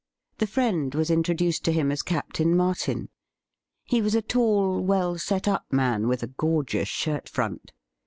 The friend was intro duced to him as Captain Martin. He was a tall, well set up man, with a gorgeous shirt front.